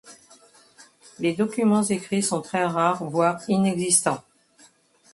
Les documents écrits sont très rares voire inexistants.